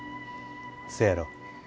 せやろ。